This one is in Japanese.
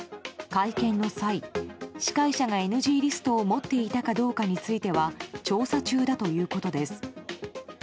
会見の際、司会者がＮＧリストを持っていたかどうかについては調査中だということです。